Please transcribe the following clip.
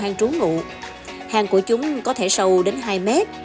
ngủ hang của chúng có thể sâu đến hai mét